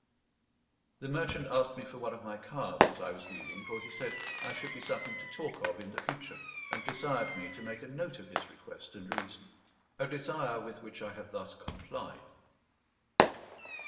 The merchant asked me for one of my cards as I was leaving, for he said I should be something to talk of in the future, and desired me to make a note of his request and reason; a desire with which I have thus complied.